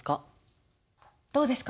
どうですか？